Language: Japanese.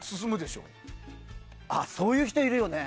そういう人いるよね。